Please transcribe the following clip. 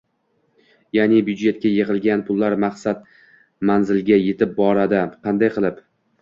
Yaʼni byudjetga yig‘ilgan pullar maqsad-manziliga yetib boradi. Qanday qilib?